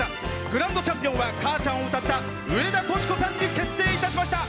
グランドチャンピオンは「かあちゃん」を歌った上田淑子さんに決定しました。